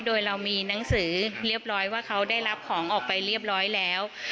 โดยเรามีหนังสือเรียบร้อยว่าเขาได้รับของออกไปเรียบร้อยแล้ว